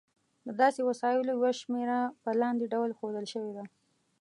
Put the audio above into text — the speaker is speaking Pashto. د داسې وسایلو یوه شمېره په لاندې ډول ښودل شوې ده.